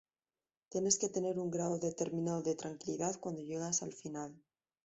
Tienes que tener un grado determinado de tranquilidad cuando llegas al final.